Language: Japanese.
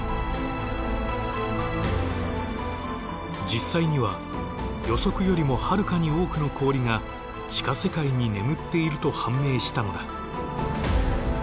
実際には予測よりもはるかに多くの氷が地下世界に眠っていると判明したのだ。